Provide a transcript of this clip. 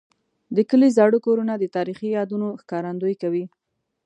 د کلي زاړه کورونه د تاریخي یادونو ښکارندوي کوي.